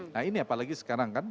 nah ini apalagi sekarang kan